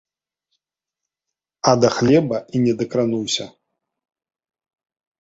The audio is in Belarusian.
А да хлеба і не дакрануўся.